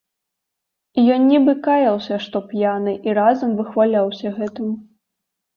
Ён нібы каяўся, што п'яны, і разам выхваляўся гэтым.